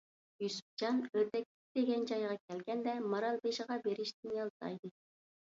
يۈسۈپجان ئۆردەكلىك دېگەن جايغا كەلگەندە، مارالبېشىغا بېرىشتىن يالتايدى.